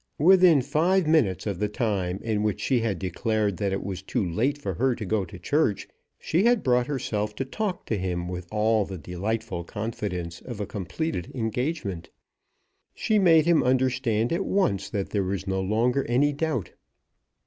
Within five minutes of the time in which she had declared that it was too late for her to go to church, she had brought herself to talk to him with all the delightful confidence of a completed engagement. She made him understand at once that there was no longer any doubt.